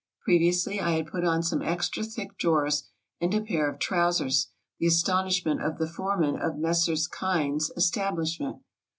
Previously I had put on some extra thick drawers and a pair of trousers, the astonishment of the foreman of Messrs. Kine's establishment.